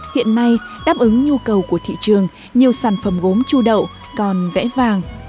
hiện nay đáp ứng nhu cầu của thị trường nhiều sản phẩm gốm chu đậu còn vẽ vàng